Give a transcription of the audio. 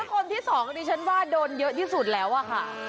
คนที่๒ดิฉันว่าโดนเยอะที่สุดแล้วอะค่ะ